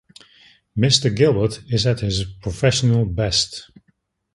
Mister Gilbert is at his professional best.